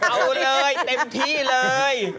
เอาเลยเต็มที่เลย